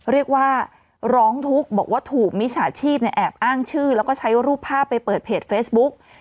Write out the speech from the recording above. เรียกว่าร้องทุกข์บอกว่าถูกมิจฉาชีพแอบอ้างชื่อแล้วก็ใช้รูปภาพไปเปิดเพจเฟซบุ๊ก